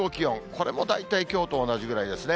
これも大体きょうと同じぐらいですね。